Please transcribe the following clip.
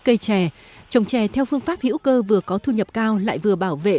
cây trẻ trồng trẻ theo phương pháp hữu cơ vừa có thu nhập cao lại vừa bảo vệ